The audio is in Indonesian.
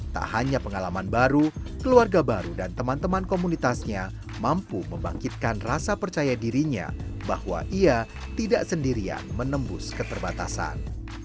tak hanya pengalaman baru keluarga baru dan teman teman komunitasnya mampu membangkitkan rasa percaya dirinya bahwa ia tidak sendirian menembus keterbatasan